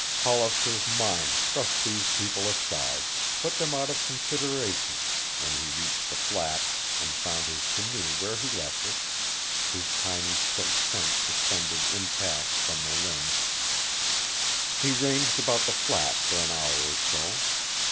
Hollister's mind thrust these people aside, put them out of consideration, when he reached the flat and found his canoe where he left it, his tiny silk tent suspended intact from the limb. He ranged about the flat for an hour or so.